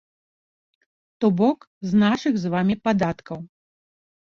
То бок, з нашых з вамі падаткаў.